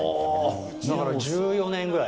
だから１４年ぐらい。